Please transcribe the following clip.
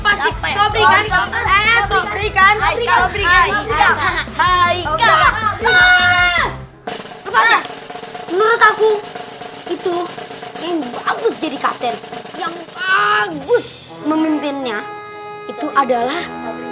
pasti koper poper eh sobrikan hai hai kak kak kak kak kak kak kak menurut aku itu yang bagus jadi katen yang bagus memimpinnya itu adalah